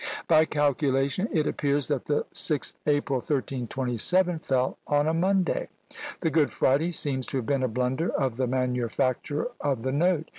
By calculation, it appears that the 6th April, 1327, fell on a Monday! The Good Friday seems to have been a blunder of the manufacturer of the note.